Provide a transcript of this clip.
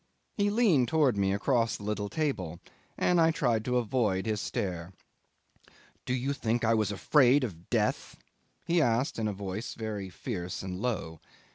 He leaned towards me across the little table, and I tried to avoid his stare. "Do you think I was afraid of death?" he asked in a voice very fierce and low.